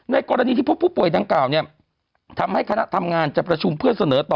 กรณีที่พบผู้ป่วยดังกล่าวเนี่ยทำให้คณะทำงานจะประชุมเพื่อเสนอต่อ